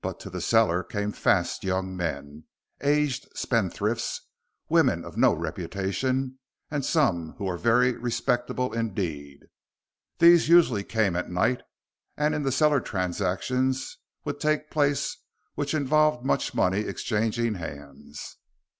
But to the cellar came fast young men, aged spendthrifts, women of no reputation and some who were very respectable indeed. These usually came at night, and in the cellar transactions would take place which involved much money exchanging hands.